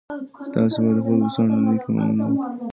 تاسي باید د خپلو دوستانو له نېکۍ مننه وکړئ.